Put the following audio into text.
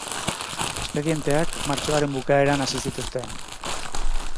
Espedienteak martxoaren bukaeran hasi zituzten.